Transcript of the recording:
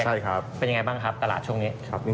ใช่ครับเป็นยังไงบ้างครับตลาดช่วงนี้